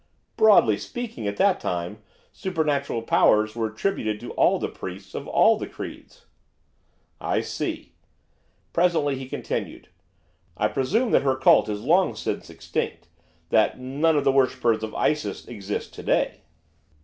'Broadly speaking, at that time, supernatural powers were attributed to all the priests of all the creeds.' 'I see.' Presently he continued. 'I presume that her cult is long since extinct, that none of the worshippers of Isis exist to day.